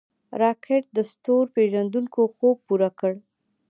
راکټ د ستورپیژندونکو خوب پوره کړ